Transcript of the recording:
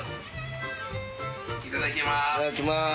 いただきます。